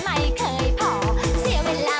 ไม่ง้อไม่เปลืองน้ำหลาย